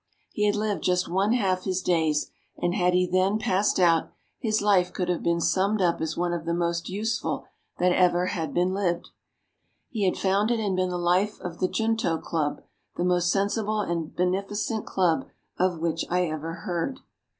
He had lived just one half his days; and had he then passed out, his life could have been summed up as one of the most useful that ever has been lived. He had founded and been the life of the Junto Club the most sensible and beneficent club of which I ever heard.